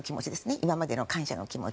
今までの感謝の気持ち